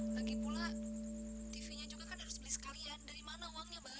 lagipula tv nya juga kan harus beli sekalian dari mana uangnya bal